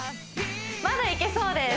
まだいけそうです